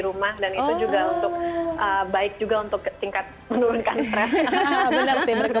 rumah dan itu juga untuk baik juga untuk singkat menurunkan benar benar karena juga turut wfh mungkin ya dengan semua orang ya